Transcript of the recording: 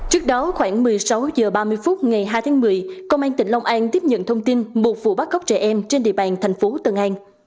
trước đó khoảng một mươi sáu h ba mươi phút ngày hai tháng một mươi công an tỉnh long an tiếp nhận thông tin một vụ bắt cóc trẻ em trên địa bàn thành phố tân an